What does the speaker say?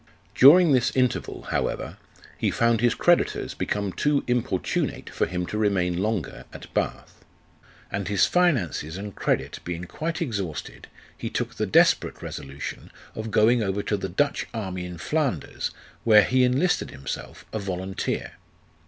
During this interval, however, he found his creditors become too impor tunate for him to remain longer at Bath ; and his finances and credit being quite exhausted, he took the desperate resolution of going over to the Dutch army in Flanders, where he enlisted himself a volunteer.